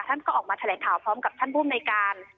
ท่านก็ออกมาแถลงข่าวพร้อมกับท่านผู้อำนวยการ